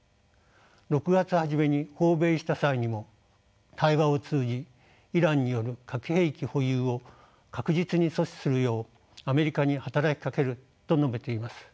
６月初めに訪米した際にも対話を通じイランによる核兵器保有を確実に阻止するようアメリカに働きかけると述べています。